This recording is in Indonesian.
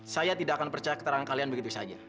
saya tidak akan percaya keterangan kalian begitu saja